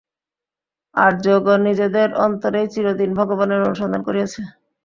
আর্যগণ নিজেদের অন্তরেই চিরদিন ভগবানের অনুসন্ধান করিয়াছেন।